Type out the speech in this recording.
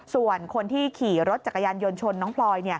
ส่วนคนที่ขี่รถจักรยานยนต์ชนน้องพลอย